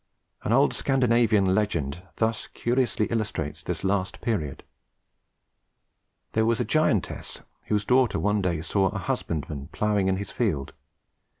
An old Scandinavian legend thus curiously illustrates this last period: There was a giantess whose daughter one day saw a husbandman ploughing in the field.